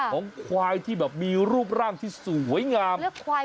ของควายที่แบบมีรูปร่างที่สวยงาม